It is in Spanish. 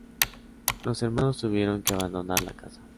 Los hermanos tuvieron que abandonar la casa.